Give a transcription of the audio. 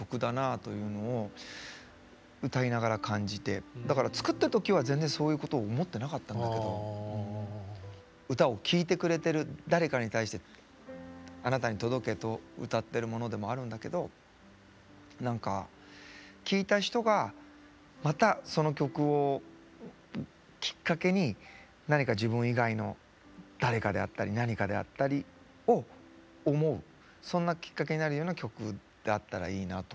だけどだから作った時は全然そういうことを思ってなかったんだけど歌を聴いてくれてる誰かに対してあなたに届けと歌ってるものでもあるんだけど何か聴いた人がまたその曲をきっかけに何か自分以外の誰かであったり何かであったりを思うそんなきっかけになるような曲であったらいいなと。